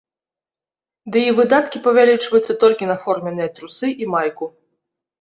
Ды і выдаткі павялічваюцца толькі на форменныя трусы і майку.